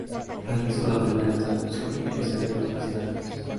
Realizó la primera traducción inglesa de "Los miserables".